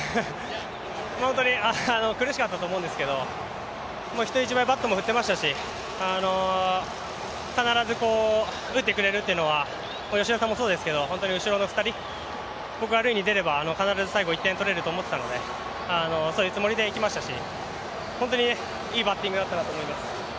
苦しかったと思うんですけど人一倍バットも振っていましたし、必ず打ってくれるというのは吉田さんもそうですけど、後ろの２人、僕が塁に出れば必ず１点取れると思っていましたので本当にいいバッティングだったと思います。